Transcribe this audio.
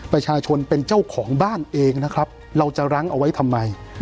ประชาชนเป็นเจ้าของบ้านเองนะครับเราจะรั้งเอาไว้ทำไม